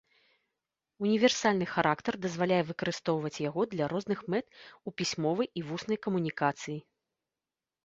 Універсальны характар дазваляе выкарыстоўваць яго для розных мэт у пісьмовай і вуснай камунікацыі.